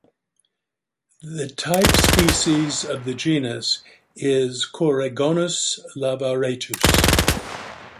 The type species of the genus is "Coregonus lavaretus".